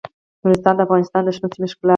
نورستان د افغانستان د شنو سیمو ښکلا ده.